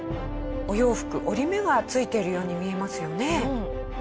お洋服折り目がついてるように見えますよね。